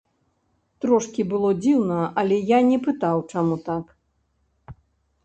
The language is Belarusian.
Трошкі было дзіўна, але я не пытаў, чаму так.